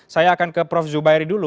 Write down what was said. saya akan ke prof zubairi dulu